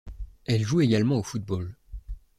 Elle joue également au football.